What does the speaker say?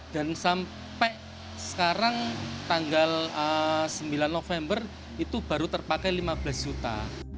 dan sampai sekarang tanggal sembilan november itu baru terpakai lima belas juta